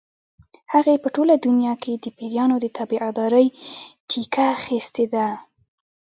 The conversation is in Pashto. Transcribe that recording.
هغې په ټوله دنیا کې د پیریانو د تابعدارۍ ټیکه اخیستې ده.